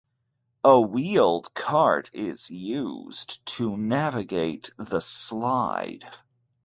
A wheeled cart is used to navigate the slide.